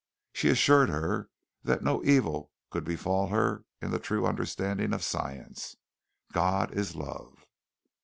She assured her that no evil could befall her in the true understanding of Science. God is love.